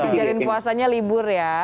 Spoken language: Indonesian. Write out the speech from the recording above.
ngajarin puasanya libur ya